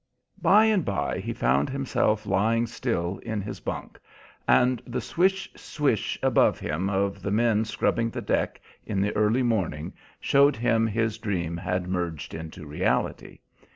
By and by he found himself lying still in his bunk, and the swish, swish above him of the men scrubbing the deck in the early morning showed him his dream had merged into reality.